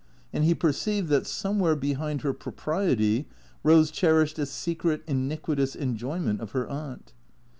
And he perceived that, somewhere behind her propriety, Eose cherished a secret, iniq uitous enjoyment of her aunt.